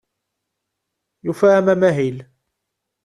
Yufa-am amahil.